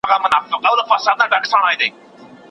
کله چي له خپلي هبې څخه رجوع وکړي، دقسم حقوق ورته ثابت دي.